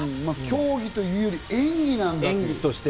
競技というより演技なんだと。